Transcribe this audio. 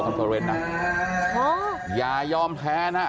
ฉันก็ได้บอกว่าว่านี้ฉันจะยอมแพ้อะไร